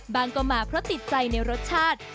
ก็มาเพราะติดใจในรสชาติ